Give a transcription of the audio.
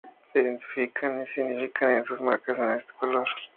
Se identifican, y significan en sus marcas, con este color.